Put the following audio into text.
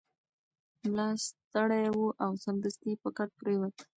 ملا ستړی و او سمدستي په کټ پریوت.